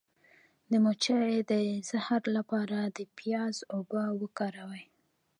د مچۍ د زهر لپاره د پیاز اوبه وکاروئ